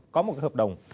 có một cái hợp đồng